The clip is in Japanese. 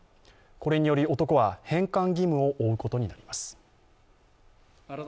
これにより男は返還義務を負うことになります。